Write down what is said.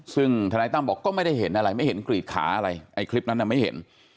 ซึ่งธนายตั้มบอกก็ไม่ได้เห็นอะไรไม่เห็นกรีดขาอะไรไอ้คลิปนั้นน่ะไม่เห็น